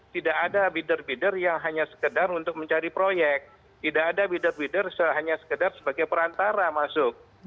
tidak ada bitder bidder yang hanya sekedar untuk mencari proyek tidak ada bidder bidder hanya sekedar sebagai perantara masuk